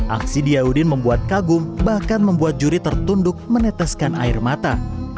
aksi diyaudin membuat kagum bahkan membuat juri tertunduk meneteskan air mata